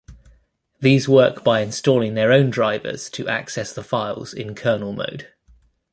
These work by installing their own drivers to access the files in kernel mode.